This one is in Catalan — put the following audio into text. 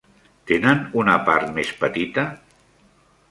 Tenen una part més petita?